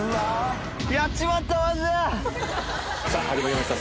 さぁ始まりました